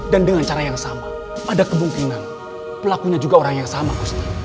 dengan cara yang sama ada kemungkinan pelakunya juga orang yang sama